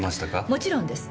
もちろんです。